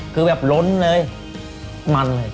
คือแบบล้นเลยมันเลย